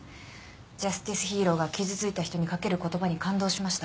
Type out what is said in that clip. ジャスティスヒーローが傷ついた人にかける言葉に感動しました。